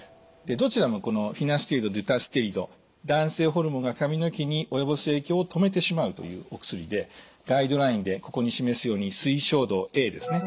どちらもこのフィナステリドデュタステリド男性ホルモンが髪の毛に及ぼす影響を止めてしまうというお薬でガイドラインでここに示すように推奨度Ａですね。